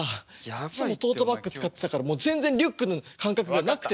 いつもトートバッグ使ってたから全然リュックの感覚がなくてさ。